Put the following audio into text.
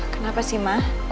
kenapa sih ma